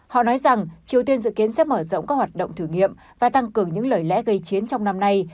họ nói rằng triều tiên dự kiến sẽ mở rộng các hoạt động thử nghiệm và tăng cường những lời lẽ gây chiến trong năm nay